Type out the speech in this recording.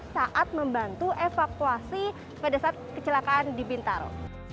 saat membantu evakuasi pada saat kecelakaan di bintaro